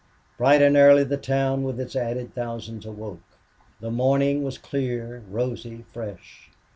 Bright and early the town with its added thousands awoke. The morning was clear, rosy, fresh.